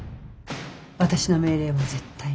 私の命令は絶対。